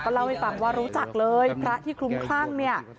เล่าให้ฟังว่ารู้จักเลยพระที่คลุมคลั่งเนี่ย